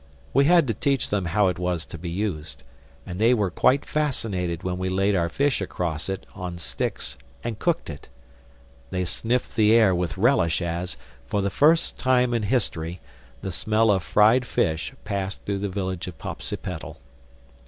We had to teach them how it was to be used; and they were quite fascinated when we laid our fish across it on sticks and cooked it. They sniffed the air with relish as, for the first time in history, the smell of fried fish passed through the village of Popsipetel.